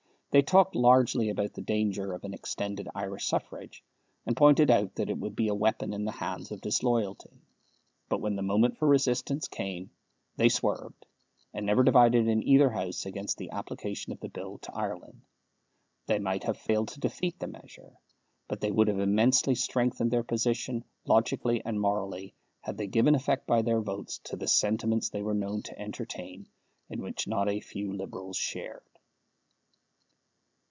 They talked largely about the danger of an extended Irish suffrage, and pointed out that it would be a weapon in the hands of disloyalty. But when the moment for resistance came, they swerved, and never divided in either House against the application of the Bill to Ireland. They might have failed to defeat the measure; but they would have immensely strengthened their position, logically and morally, had they given effect by their votes to the sentiments they were known to entertain, and which not a few Liberals shared.